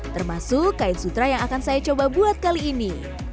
termasuk kain sutra yang akan saya coba buat kali ini